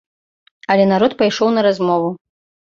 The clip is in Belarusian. Але народ пайшоў на размову.